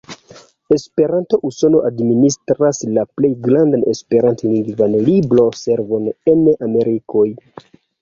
Esperanto-Usono administras la plej grandan Esperant-lingvan libro-servon en Amerikoj.